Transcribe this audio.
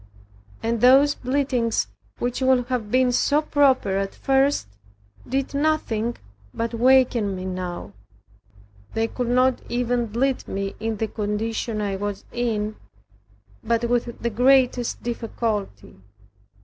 And those bleedings which would have been so proper at first, did nothing but weaken me now. They could not even bleed me in the condition I was in but with the greatest difficulty.